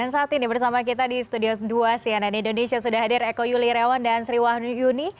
saat ini bersama kita di studio dua sianan indonesia sudah hadir eko yuli iryawan dan sri wahyuni